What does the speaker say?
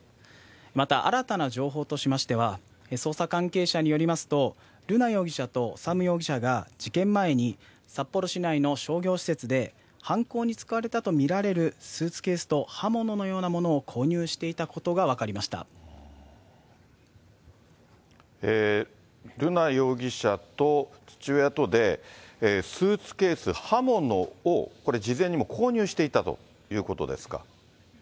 また、新たな情報としましては、捜査関係者によりますと、瑠奈容疑者と修容疑者が事件前に札幌市内の商業施設で、犯行に使われたと見られるスーツケースと刃物のようなものを購入瑠奈容疑者と父親とで、スーツケース、刃物を、これ事前に購入していたということですか。